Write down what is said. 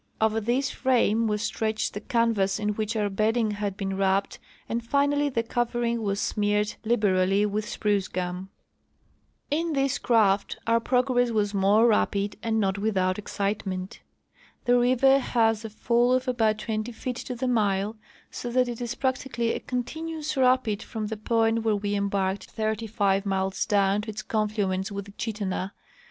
Over this frame Avas stretched the canvas in Avhich our bedding had been wrapped and finally the covering Avas smeared liberally Avith sprucegum. In this craft our ])rogress Avas more rapid and The Return to the Coast. 125 not without excitement. The river has a fall of about twenty feet to the mile, so that it is practically a continuous rapid from the point where we embarked thirty five miles down to its conflu ence with the Chittenah.